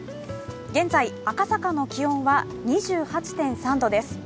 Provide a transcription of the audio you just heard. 現在赤坂の気温は２８．３度です。